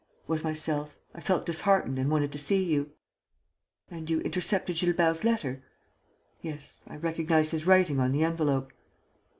"Was myself. I felt disheartened and wanted to see you." "And you intercepted Gilbert's letter?" "Yes, I recognized his writing on the envelope."